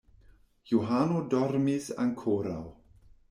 Johano dormis ankoraŭ.